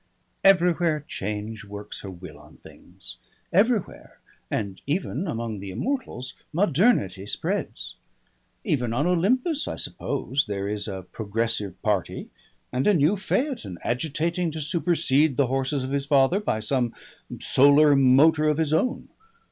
Everywhere Change works her will on things. Everywhere, and even among the immortals, Modernity spreads. Even on Olympus I suppose there is a Progressive party and a new Phaeton agitating to supersede the horses of his father by some solar motor of his own.